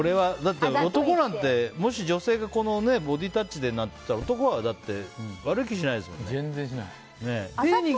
男なんて、もし女性がボディータッチってなったら男は悪い気しないですもんね。